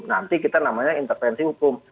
nanti kita namanya intervensi hukum